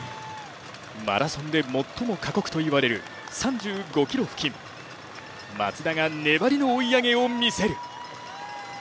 マラソンで最も過酷と言われる３５ｋｍ付近松田が粘りの追い上げを見せる。